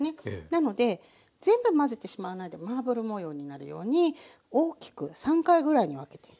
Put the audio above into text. なので全部混ぜてしまわないでマーブル模様になるように大きく３回ぐらいに分けて。